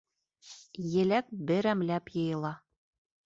Еләк берәмләп йыйыла.